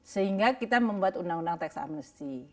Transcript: sehingga kita membuat undang undang tax amnesty